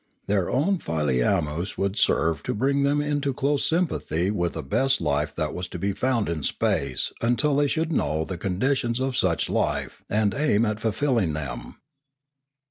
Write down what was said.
Their own filammus would serve to bring them into close sympathy with the best life that was to be found in space until they should know the conditions of such life and aim at fulfilling them.